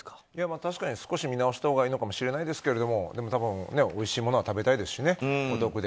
確かに少し見直したほうがいいかもしれないですけどでも、おいしいものは食べたいですしね、お得で。